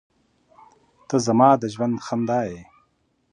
• ته زما د ژوند خندا یې.